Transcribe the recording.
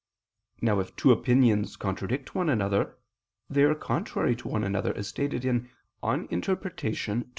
Now if two opinions contradict one another, they are contrary to one another, as stated in _Peri Herm.